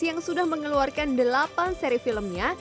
yang sudah mengeluarkan delapan seri filmnya